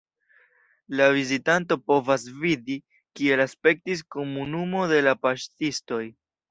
La vizitanto povas vidi, kiel aspektis komunumo de la paŝtistoj.